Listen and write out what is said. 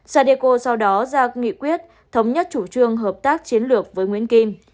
sadeco sau đó ra nghị quyết thống nhất chủ trương hợp tác chiến lược với nguyễn kim